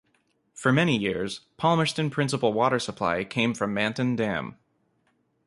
For many years, Palmerston principal water supply came from Manton Dam.